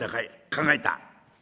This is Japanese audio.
「考えた。